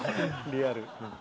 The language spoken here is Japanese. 「リアル」